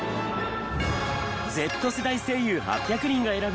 Ｚ世代声優８００人が選ぶ！